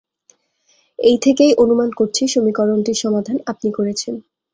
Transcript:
এই থেকেই অনুমান করছি সমীকরণটির সমাধান আপনি করেছেন।